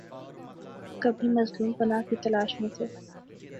کبھی مظلوم پناہ کی تلاش میں تھے۔